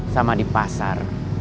sama di pasar